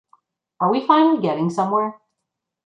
Are we finally getting somewhere?